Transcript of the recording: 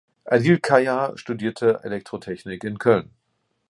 Adil Kaya studierte Elektrotechnik in Köln.